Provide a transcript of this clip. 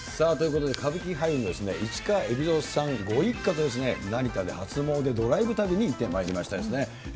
ということで、歌舞伎俳優の市川海老蔵さんご一家と、成田で初詣ドライブ旅に行ってまいりましたですね。